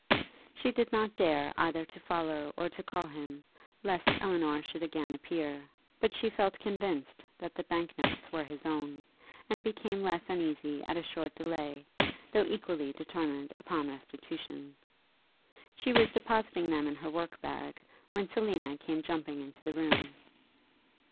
She did not dare either to follow or to call him, lest Elinor should again appear; but she felt convinced that the bank notes were his own, and became less uneasy at a short delay, though equally determined upon restitution. She was depositing them in her work bag, when Selina came jumping into the room.